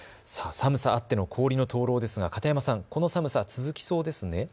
寒さがあっての氷の灯籠ですが片山さん、この寒さ続きそうですね。